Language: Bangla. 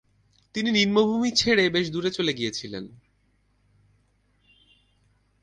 তিনি নিম্নভূমি ছেড়ে বেশ দূরে চলে গিয়েছিলেন।